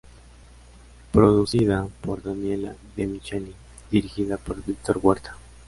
Producida por Daniela Demicheli y dirigida por Víctor Huerta.